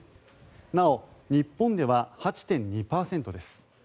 なお、日本では８．２％です。